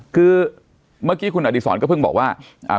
คือเมื่อกี้คุณอดีศรก็เพิ่งบอกว่า